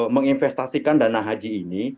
menginvestasikan dana haji ini